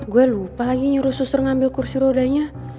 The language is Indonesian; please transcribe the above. gue lupa lagi nyuruh susur ngambil kursi rodanya